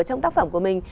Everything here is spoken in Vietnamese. trong tác phẩm của mình